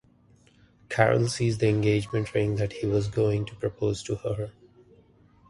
Carol sees the engagement ring that he was going to propose to her.